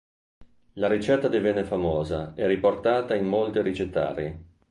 La ricetta divenne famosa e riportata in molti ricettari.